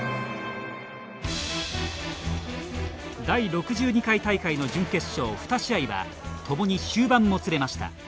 第６２回大会の準決勝２試合は共に終盤もつれました。